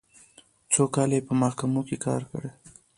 څو کاله یې په محکمو کې کار کړی.